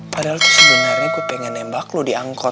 padahal tuh sebenarnya gue pengen nembak lo di angkot